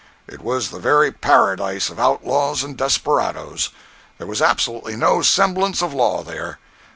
It was the very paradise of outlaws and desperadoes. There was absolutely no semblance of law there.